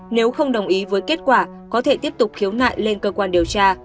nếu không đồng ý với kết quả có thể tiếp tục khiếu nại lên cơ quan điều tra